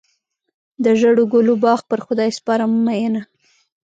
د ژړو ګلو باغ پر خدای سپارم مینه.